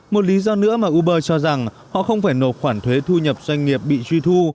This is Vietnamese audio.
một lý do nữa mà uber cho rằng họ không phải nộp khoản thuế thu nhập doanh nghiệp bị truy thu